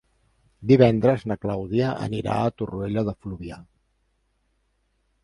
Divendres na Clàudia anirà a Torroella de Fluvià.